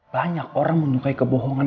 banyak orang menukai kebohongan